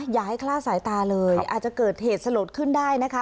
อย่าให้คลาดสายตาเลยอาจจะเกิดเหตุสลดขึ้นได้นะคะ